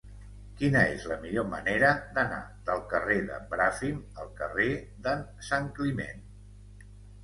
Quina és la millor manera d'anar del carrer de Bràfim al carrer d'en Santcliment?